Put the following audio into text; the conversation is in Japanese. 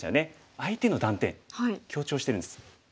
相手の断点強調してるんです。